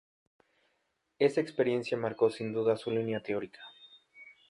Esa experiencia marcó sin duda su línea teórica.